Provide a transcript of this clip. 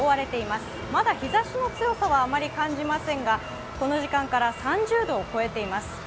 まだ日ざしの強さはあまり感じませんが、この時間から３０度を超えています。